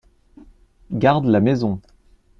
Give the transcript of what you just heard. Garde la maison.